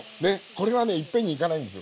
これはね一遍にいかないんですよ